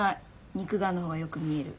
肉眼のほうがよく見える。